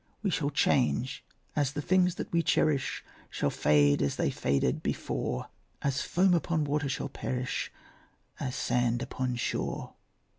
We shall change as the things that we cherish, Shall fade as they faded before, As foam upon water shall perish, As sand upon shore.